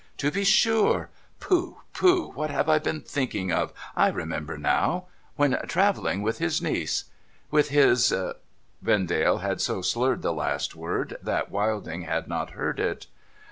To be sure ! pooh pooh, what have I been thinking of ! I remember now ;" when travelling with his niece." ' 'With his ?' Vendale had so slurred the last word, that Wilding had not heard it.